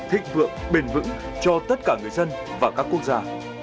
thịnh vượng bền vững cho tất cả người dân và các quốc gia